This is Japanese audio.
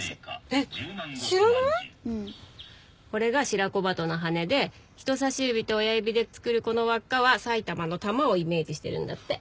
これがシラコバトの羽で人さし指と親指でつくるこの輪っかは埼玉の玉をイメージしてるんだって。